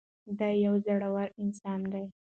دی یو زړور انسان دی.